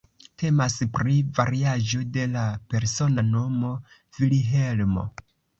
Temas pri variaĵo de la persona nomo Vilhelmo.